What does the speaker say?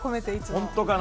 本当かな？